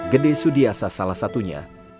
gede sudiasa salah satunya